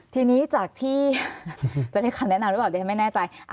ทีนี้จากที่จะได้คำแนะนำหรือเปล่าดิฉันไม่แน่ใจ